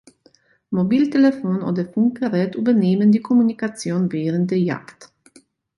Mobiltelefon oder Funkgerät übernehmen die Kommunikation während der Jagd.